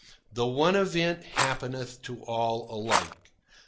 The one event happeneth to all alike.